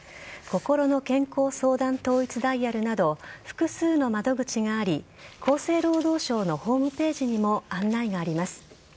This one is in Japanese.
こころの健康相談統一ダイヤルなど複数の窓口があり厚生労働省のホームページにも案内があります。